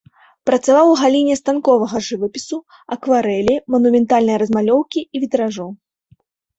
Працаваў ў галіне станковага жывапісу, акварэлі, манументальнай размалёўкі і вітражу.